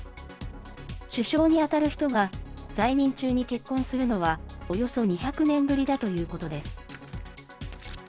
首相に当たる人が在任中に結婚するのは、およそ２００年ぶりだということです。